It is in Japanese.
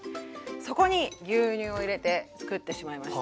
そこに牛乳を入れてつくってしまいました。